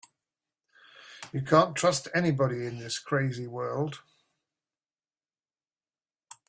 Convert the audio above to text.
You can't trust anybody in this crazy world.